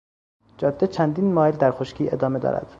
جاده چندین مایل در خشکی ادامه دارد.